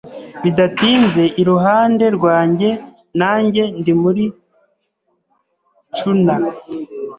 bidatinze iruhande rwanjye nanjye ndi muri schooner.